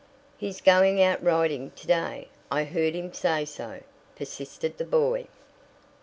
"He's going out riding to day I heard him say so," persisted the boy.